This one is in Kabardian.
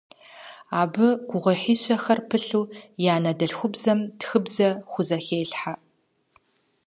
Абы гугъуехьищэхэр пылъу и анэдэльхубзэм тхыбзэ хузэхелъхьэ.